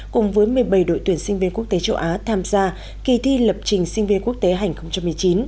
cùng với một mươi bảy đội tuyển sinh viên quốc tế châu á tham gia kỳ thi lập trình sinh viên quốc tế hành hai nghìn một mươi chín